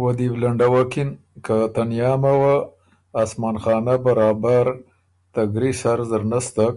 وه دی بُو لنډَوَکِن که تنیامه وه اسمان خانۀ برابر ته ګري سر زر نستک